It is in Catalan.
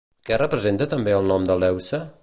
Què representa també el nom de Leuce?